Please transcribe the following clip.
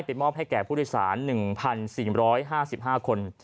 มอบให้แก่ผู้โดยสาร๑๔๕๕คน